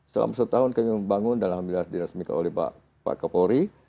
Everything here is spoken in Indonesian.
selama satu tahun kami membangun dan alhamdulillah dirasmikan oleh pak kapolri